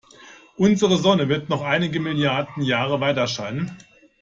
Unsere Sonne wird noch einige Milliarden Jahre weiterscheinen.